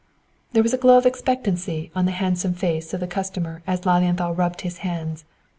There was a glow of expectancy on the handsome face of the customer as Lilienthal rubbed his hands.